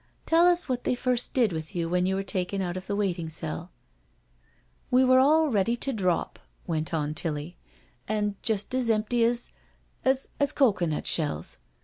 Tell us what they first did with you when you were taken out of the waiting cell/' " We were all ready to drop," went on Tilly, " and just as empty as— as— cocoanut shells.